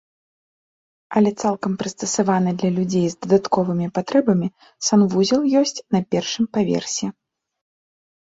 Але цалкам прыстасаваны для людзей з дадатковымі патрэбамі санвузел ёсць на першым паверсе.